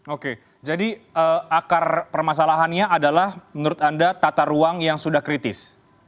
oke jadi akar permasalahannya adalah menurut anda tata ruang yang sudah kritis